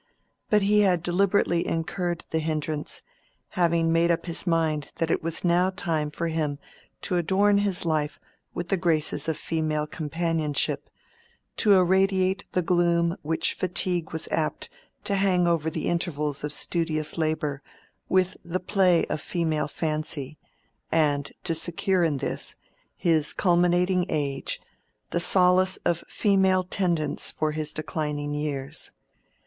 But he had deliberately incurred the hindrance, having made up his mind that it was now time for him to adorn his life with the graces of female companionship, to irradiate the gloom which fatigue was apt to hang over the intervals of studious labor with the play of female fancy, and to secure in this, his culminating age, the solace of female tendance for his declining years.